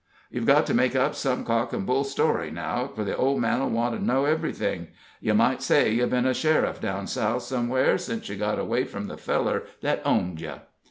You've got to make up some cock and bull story now, for the old man'll want to know everything. You might say you'd been a sheriff down South somewhere since you got away from the feller that owned you."